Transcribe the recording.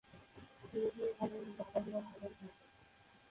প্রশাসনিকভাবে এটি ঢাকা জেলার প্রধান শহর।